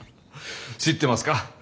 知ってますか？